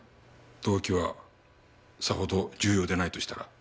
動機はさほど重要でないとしたら？